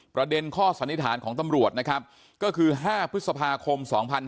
ประเด็นข้อสันนิษฐานของตำรวจนะครับก็คือ๕พฤษภาคม๒๕๕๙